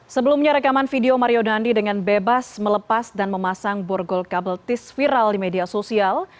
sebelumnya rekaman video mario dandi dengan bebas melepas dan memasang borgol kabel tis viral di media sosial